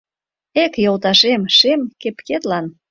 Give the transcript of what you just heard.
Эк, йолташем, шем кепкетлан